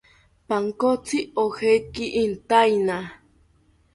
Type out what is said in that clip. Pankotzi ojeki intaena